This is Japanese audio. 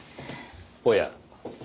おや。